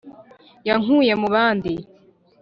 yankuye mu bandi